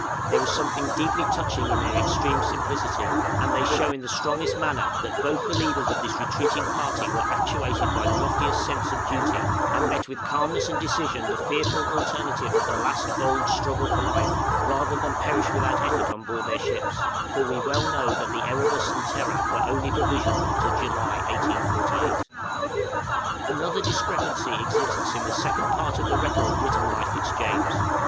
There is something deeply touching in their extreme simplicity, and they show in the strongest manner that both the leaders of this retreating party were actuated by the loftiest sense of duty, and met with calmness and decision the fearful alternative of a last bold struggle for life, rather than perish without effort on board their ships; for we well know that the 'Erebus' and 'Terror' were only provisioned up to July, 1848. {DISCREPANCY IN THE RECORD.} Another discrepancy exists in the second part of the record written by Fitzjames.